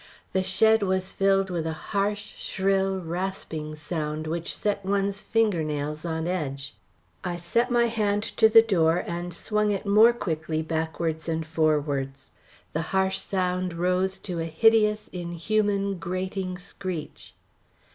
The shed was filled with a harsh, shrill, rasping sound, which set one's fingernails on edge. I set my hand to the door and swung it more quickly backwards and forwards. The harsh sound rose to a hideous inhuman grating screech.